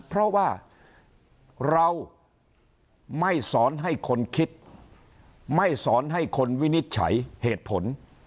เพราะว่าเราไม่สอนให้คนคิดไม่สอนให้คนวินิจฉัยเหตุผล